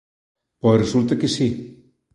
Pois resulta que si.